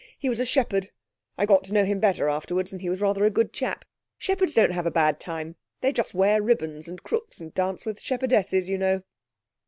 He was a shepherd. I got to know him better afterwards, and he was rather a good chap. Shepherds don't have a bad time; they just wear ribbons and crooks and dance with shepherdesses, you know.'